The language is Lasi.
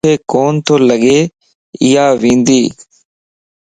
مانک ڪو تو لڳ اياوندي